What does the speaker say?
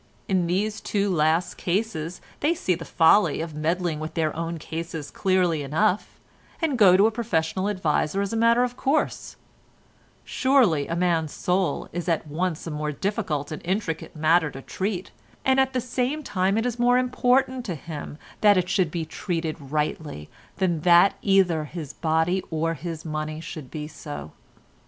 In these two last cases they see the folly of meddling with their own cases clearly enough, and go to a professional adviser as a matter of course; surely a man's soul is at once a more difficult and intricate matter to treat, and at the same time it is more important to him that it should be treated rightly than that either his body or his money should be so.